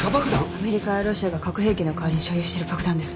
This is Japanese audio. アメリカやロシアが核兵器の代わりに所有してる爆弾です。